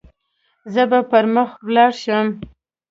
زه به پر مخ ولاړ شم.